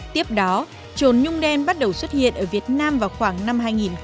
tiếp đó trồn nhung đen bắt đầu xuất hiện ở việt nam vào khoảng năm hai nghìn một mươi